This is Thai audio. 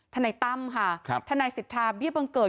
ทนายตั้มค่ะทนายสิทธาเบี้ยบังเกิด